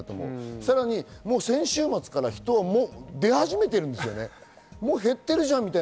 さらに先週末から人は出始めているんですよね。